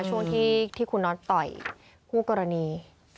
ช่วงที่คุณนท์ต่อยผู้กรณี